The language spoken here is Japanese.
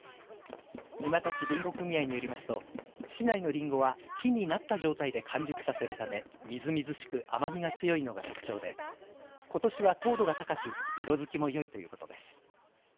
沼田市りんご組合によりますと市内のりんごは木になった状態で完熟させるため、みずみずしく甘みが強いのが特徴でことしは糖度が高く色づきもよいということです。